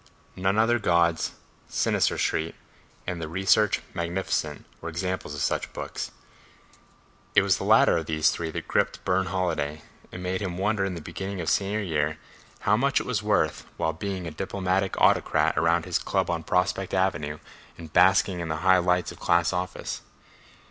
"None Other Gods," "Sinister Street," and "The Research Magnificent" were examples of such books; it was the latter of these three that gripped Burne Holiday and made him wonder in the beginning of senior year how much it was worth while being a diplomatic autocrat around his club on Prospect Avenue and basking in the high lights of class office.